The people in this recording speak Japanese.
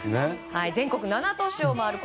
全国７都市を回る